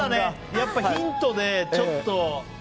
やっぱりヒントでちょっと。